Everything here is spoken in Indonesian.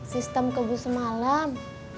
sistem kebus semalam